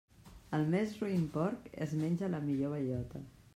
El més roín porc es menja la millor bellota.